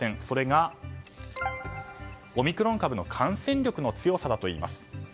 それが、オミクロン株の感染力の強さだといいます。